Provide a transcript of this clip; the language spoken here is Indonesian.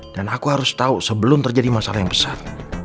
dan aku harus tau sebelum terjadi masalah yang besar